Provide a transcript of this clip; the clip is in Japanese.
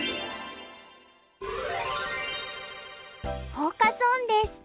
フォーカス・オンです。